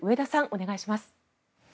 お願いします。